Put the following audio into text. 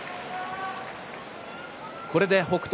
これで北勝